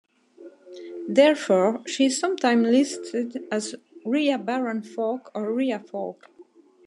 Therefore she is sometime listed as Ria Baran-Falk or Ria Falk.